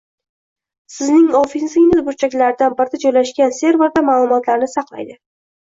sizning ofisingiz burchaklaridan birida joylashgan serverda maʼlumotlarni saqlaydi.